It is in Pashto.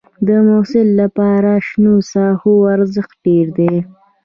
د محصل لپاره شنو ساحو ارزښت ډېر دی.